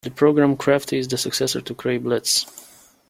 The program Crafty is the successor to Cray Blitz.